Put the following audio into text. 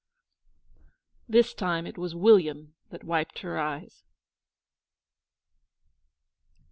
This time it was William that wiped her eyes.